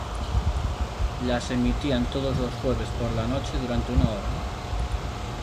Las emitían todos los jueves por la noche durante una hora.